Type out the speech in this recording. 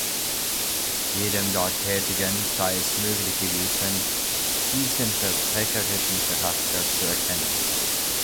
Jedem dort Tätigen sei es möglich gewesen, diesen verbrecherischen Charakter zu erkennen.